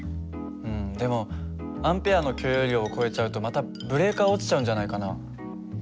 うんでもＡの許容量を超えちゃうとまたブレーカー落ちちゃうんじゃないかな。